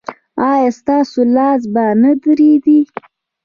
ایا ستاسو لاس به نه ریږدي؟